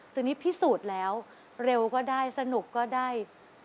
ตอนนี้พิสูจน์แล้วเร็วก็ได้สนุกก็ได้